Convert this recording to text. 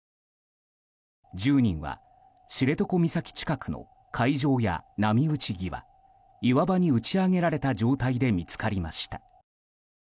１０人は知床岬近くの海上や波打ち際岩場に打ち上げられた状態で見つかりました。